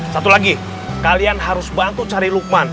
satu lagi kalian harus bantu cari lukman